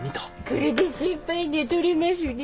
これで先輩寝とれますね。